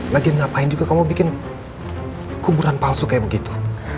lagi ngapain juga kamu bikin kuburan palsu kayak begitu